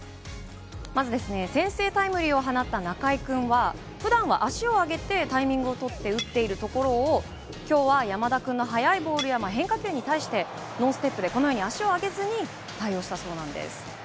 まず先制タイムリー放った仲井君は、ふだん足を上げてタイミングを取って打っているところを、きょうは山田君の速いボールや変化球に対して、ノーステップで足を上げずに対応したそうです。